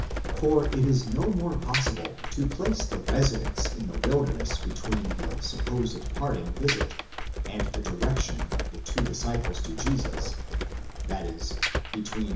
For it is no more possible to place the residence in the wilderness between the supposed parting visit and the direction of the two disciples to Jesus, that is between v.